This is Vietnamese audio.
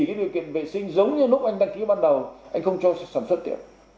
cái điều kiện vệ sinh giống như lúc anh đăng ký ban đầu anh không cho sản xuất được